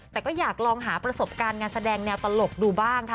แต่ก็อยากลองหาประสบการณ์งานแสดงแนวตลกดูบ้างค่ะ